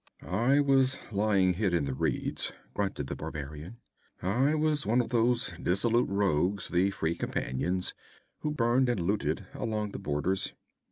'I was lying hid in the reeds,' grunted the barbarian. 'I was one of those dissolute rogues, the Free Companions, who burned and looted along the borders.